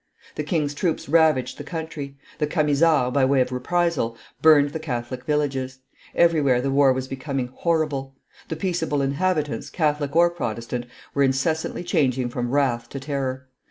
The king's troops ravaged the country; the Camisards, by way of reprisal, burned the Catholic villages; everywhere the war was becoming horrible. The peaceable inhabitants, Catholic or Protestant, were incessantly changing from wrath to terror.